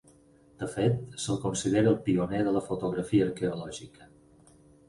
De fet, se'l considera el pioner de la fotografia arqueològica.